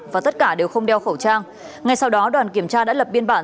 và tất cả đều không đeo khẩu trang ngay sau đó đoàn kiểm tra đã lập biên bản